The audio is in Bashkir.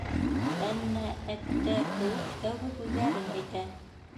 «Ән-нә», «әт-тә» кеүек тәүге һүҙҙәрен әйтә.